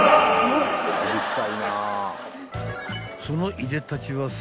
［そのいでたちは］